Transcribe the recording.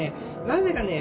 なぜかね